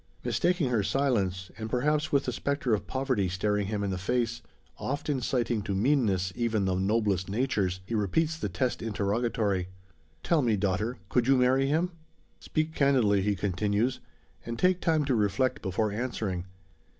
Mistaking her silence, and perhaps with the spectre of poverty staring him in the face oft inciting to meanness, even the noblest natures he repeats the test interrogatory: "Tell me, daughter! Could you marry him?" "Speak candidly," he continues, "and take time to reflect before answering.